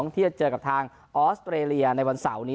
ที่จะเจอกับทางออสเตรเลียในวันเสาร์นี้